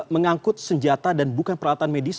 mengangkut senjata dan bukan peralatan medis